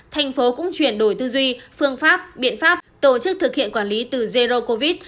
thành phố cũng chuyển đổi tư duy phương pháp biện pháp tổ chức thực hiện quản lý từ zero covid